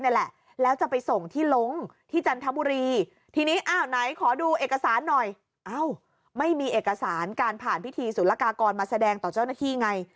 ไหนขอดูเอกสารหน่อยอ้าวไม่มีเอกสารการผ่านพิธีสุรกากรมาแสดงต่อเจ้าหน้าที่ไง